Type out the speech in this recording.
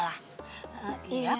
kau mau ngapain